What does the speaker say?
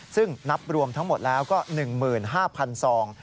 ซึ่งนับรวมทั้งหมดแล้วก็๑๕๐๐๐ซอง